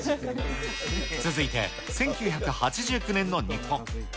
続いて、１９８９年の日本。